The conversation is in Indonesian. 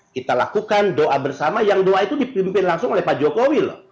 kita lakukan doa bersama yang doa itu dipimpin langsung oleh pak jokowi loh